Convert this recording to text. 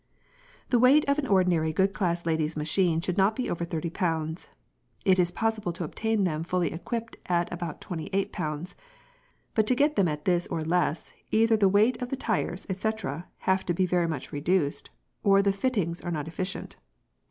p> The weight of an ordinary good class ladies' machine should not be over 30 lbs. It is possible to obtain them fully equipped at about 28 lbs., but to get them at this or less either the weight of the tyres, etc., have to be very much reduced, or the fittings are not efficient.